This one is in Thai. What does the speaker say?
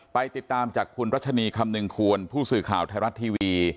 ไปติดตามจากคุณรัชนีคำนึงควรผู้สื่อข่าวไทยรัฐทีวี